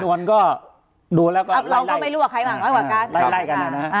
จำนวนก็ดูแล้วก็ไล่ไล่กันนะฮะ